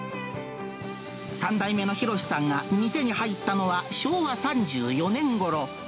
３代目の博さんが店に入ったのは、昭和３４年ごろ。